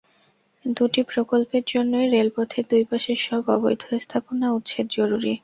দুটি প্রকল্পের জন্যই রেলপথের দুই পাশের সব অবৈধ স্থাপনা উচ্ছেদ জরুরি।